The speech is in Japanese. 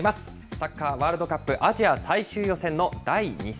サッカーワールドカップアジア最終予選の第２戦。